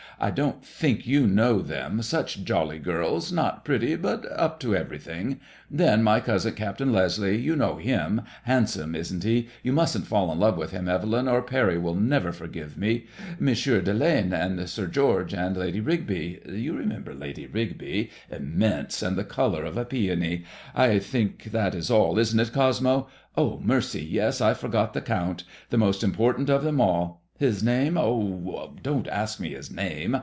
I don't think you know them. Such jolly girls; not pretty, but up to everything. t 6S MiUDEMOISELLE IXB. Then my cousin. Captain Leslie; you know him ? Handsome^ isn't he? You mustn't fall in love with him, Evelyn, or Parry will never forgive me. M. de Lane and Sir George and Lady Rigby. You remembei Lady Rigby ? Immense I and the colour of a peony. I think that is all, isn't it, Cosmo ? Oh, mercy! yes. I forgot the Count : the most important of them all. His name? Oh, don't ask me his name.